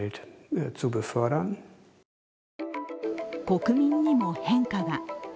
国民にも変化が。